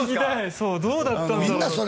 そうどうだったんだろう